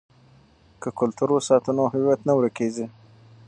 که کلتور وساتو نو هویت نه ورکيږي.